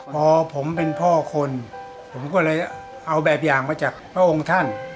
พอผมเป็นพ่อคนผมก็เลยเอาแบบอย่างมาจากพระองค์ท่าน